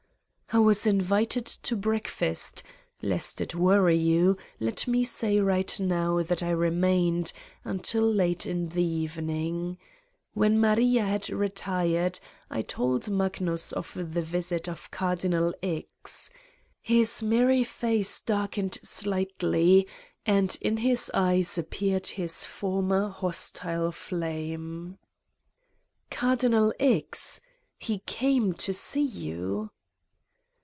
I was invited to breakfast ... lest it worry you, let me say right now that I remained until late in the evening. When Maria had retired I told Magnus of the visit of Cardinal X. His merry face darkened slightly and in his eyes ap peared his former hostile flame. " Cardinal X.? He came to see you?"